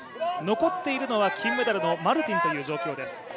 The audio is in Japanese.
残っているのは金メダルのマルティンという状況です。